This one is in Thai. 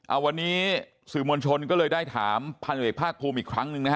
เอาวันนี้สื่อมวลชนก็เลยได้ถามพันธุเอกภาคภูมิอีกครั้งหนึ่งนะฮะ